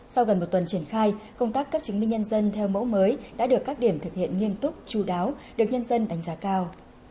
sau gần một tuần triển khai công tác cấp chứng minh nhân dân theo mẫu mới đã được các điểm thực hiện nghiêm túc chú đáo được nhân dân đánh giá cao